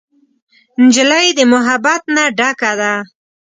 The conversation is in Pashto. نجلۍ د محبت نه ډکه ده.